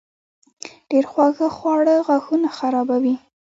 ډېر خواږه خواړه غاښونه خرابوي.